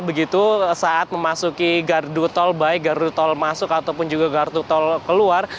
begitu saat memasuki gardu tol baik gardu tol masuk ataupun juga gardu tol keluar